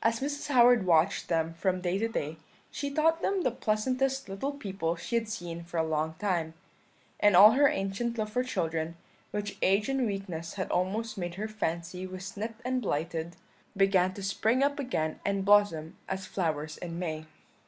"As Mrs. Howard watched them from day to day, she thought them the pleasantest little people she had seen for a long time; and all her ancient love for children, which age and weakness had almost made her fancy was nipped and blighted, began to spring up again and blossom as flowers in May.